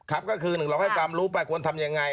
ครับก็คือหนึ่งเราให้ความรู้ไปควรทำยังไง